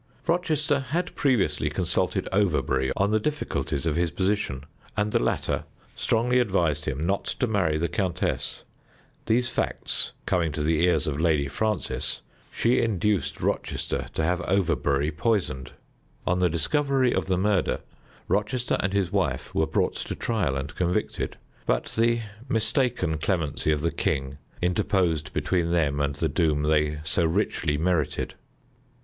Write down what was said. Rochester had previously consulted Overbury on the difficulties of his position, and the latter strongly advised him not to marry the countess. These facts coming to the ears of Lady Frances, she induced Rochester to have Overbury poisoned. On the discovery of the murder, Rochester and his wife were brought to trial and convicted, but the mistaken clemency of the king interposed between them and the doom they so richly merited.